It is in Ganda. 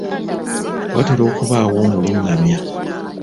Watera okubaawo omulungamya.